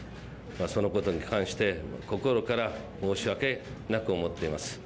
そのことに関して、心から申し訳なく思っています。